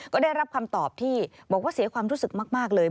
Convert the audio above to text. ก็ได้รับคำตอบที่บอกว่าเสียความรู้สึกมากเลย